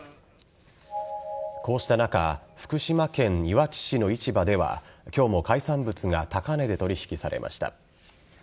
こうした中福島県いわき市の市場では今日も海産物が高値で取引されました。